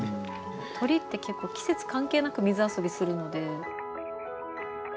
鳥って結構季節関係なく水遊びするので。